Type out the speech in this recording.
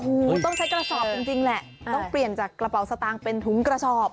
โอ้โหต้องใช้กระสอบจริงแหละต้องเปลี่ยนจากกระเป๋าสตางค์เป็นถุงกระสอบ